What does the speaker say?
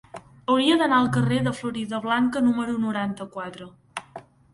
Hauria d'anar al carrer de Floridablanca número noranta-quatre.